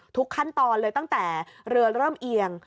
ทุกขั้นตอนเลยตั้งแต่เรือเริ่มเอียง